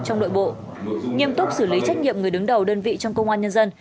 trong nội bộ nghiêm túc xử lý trách nhiệm người đứng đầu đơn vị trong công an nhân dân